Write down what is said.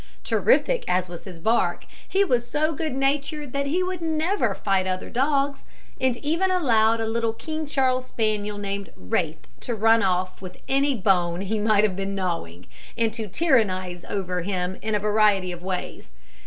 Terrific as was his bark, he was so good natured that he would never fight other dogs; and even allowed a little King Charles spaniel named Raith to run off with any bone he might have been gnawing, and to tyrannise over him in a variety of ways.